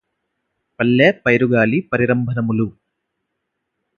పల్లె పైరుగాలి పరిరంభణమ్ములు